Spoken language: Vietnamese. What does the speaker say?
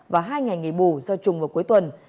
và hai ngày nghỉ bù do chùng vào cuối tuần